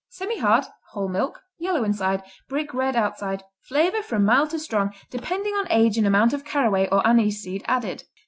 Semihard; whole milk; yellow inside, brick red outside; flavor from mild to strong, depending on age and amount of caraway or anise seed added.